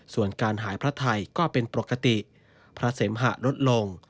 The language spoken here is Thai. ส่วนการหายพระไทยก็เป็นปกติพระเสมหะลดลง